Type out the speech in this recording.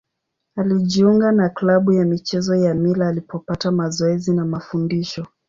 Alijiunga na klabu ya michezo ya Mila alipopata mazoezi na mafundisho.